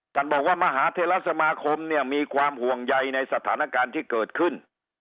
ท่านบอกว่ามหาเทลสมาคมเนี่ยมีความห่วงใยในสถานการณ์ที่เกิดขึ้น